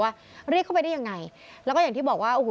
ว่าเรียกเข้าไปได้ยังไงแล้วก็อย่างที่บอกว่าโอ้โห